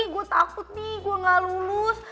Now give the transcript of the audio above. gue takut nih gue gak lulus